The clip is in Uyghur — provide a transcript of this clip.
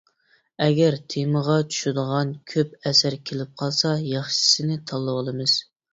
ئەگەر تېمىغا چۈشىدىغان كۆپ ئەسەر كېلىپ قالسا ياخشىسىنى تاللىۋالىمىز.